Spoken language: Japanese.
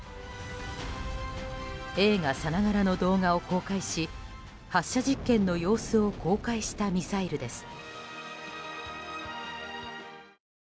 映画さながらの動画を公開し発射実験の様子を公開したミサイルです。